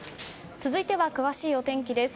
続いては、詳しいお天気です。